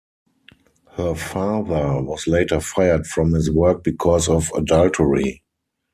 Her father was later fired from his work because of adultery.